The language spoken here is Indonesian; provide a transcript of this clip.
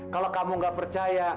kalau kamu gak percaya